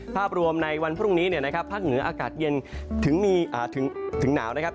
ภาพรวมในวันพรุ่งนี้นะครับภาคเหนืออากาศเย็นถึงหนาวนะครับ